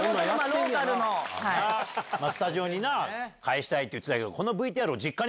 スタジオに返したいって言ってたけど。